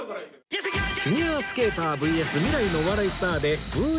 フィギュアスケーター ＶＳ 未来のお笑いスターで Ｂｏｏ！